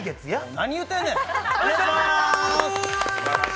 何言うてんねん！